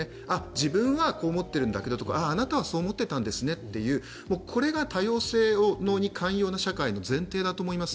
自分はこう思っているんだけどあなたはそう思っていたんですねというこれが多様性に寛容な社会の前提だと思います。